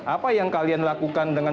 apa yang kalian lakukan dengan